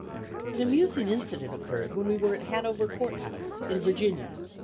An amusing incident occurred when we were at Hanover Court House, in Virginia.